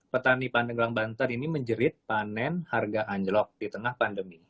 petani pandeglang banten ini menjerit panen harga anjlok di tengah pandemi